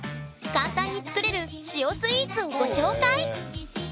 簡単に作れる「塩」スイーツをご紹介。